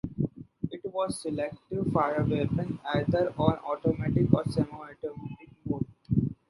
It was a selective fire weapon, either on automatic or semi-automatic mode.